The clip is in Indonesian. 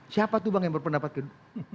siapa itu bang yang berpendapat begitu